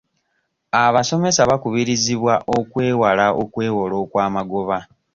Abasomesa bakubirizibwa okwewala okwewola okwamagoba.